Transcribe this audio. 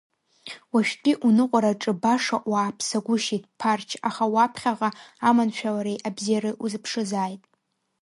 Уажәтәи уныҟәараҿы баша уааԥсагәышьеит, Ԥарч, аха уаԥхьаҟа аманшәалареи абзиареи узыԥшызааит!